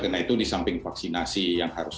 karena itu di samping vaksinasi yang harus